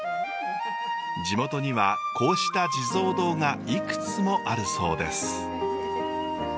地元にはこうした地蔵堂がいくつもあるそうです。